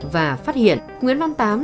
và phát hiện nguyễn văn tám